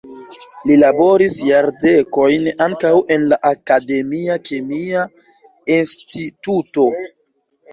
Li laboris jardekojn ankaŭ en la akademia kemia instituto.